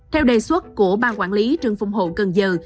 theo đề xuất của bang quản lý trường phòng hộ cần giờ